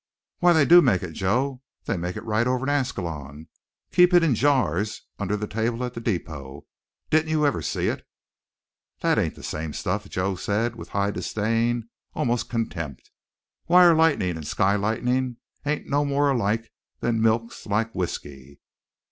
"Why, they do make it, Joe they make it right over at Ascalon, keep it in jars under that table at the depot. Didn't you ever see it?" "That ain't the same stuff," Joe said, with high disdain, almost contempt. "Wire lightnin' and sky lightnin' ain't no more alike than milk's like whisky.